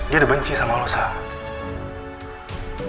dia udah bencinya sama lo sahab